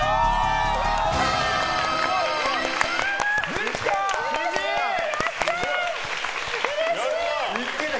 できた！